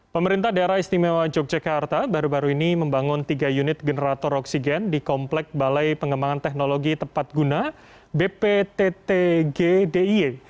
pemerintah daerah istimewa yogyakarta baru baru ini membangun tiga unit generator oksigen di komplek balai pengembangan teknologi tepat guna bpttgdiy